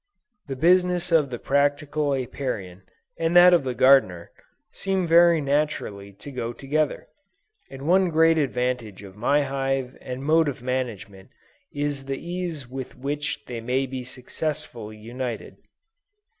The business of the practical Apiarian, and that of the Gardener, seem very naturally to go together, and one great advantage of my hive and mode of management is the ease with which they may be successfully united.